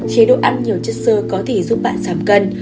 chế độ ăn nhiều chất sơ có thể giúp bạn giảm cân